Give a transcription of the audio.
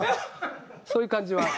そういう感じは。